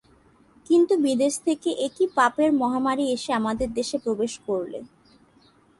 কিন্তু বিদেশ থেকে এ কী পাপের মহামারী এসে আমাদের দেশে প্রবেশ করলে!